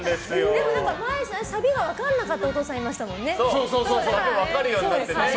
サビが分かんなかったお父さんいましたもんね。